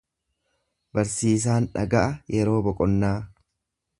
Barsiisaan dhaga'a yeroo boqonnaa.